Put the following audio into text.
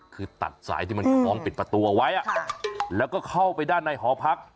คือตัดสายที่มันคล้องปิดประตูเอาไว้แล้วก็เข้าไปด้านในหอพัก